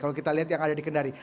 kalau kita lihat yang ada di kendari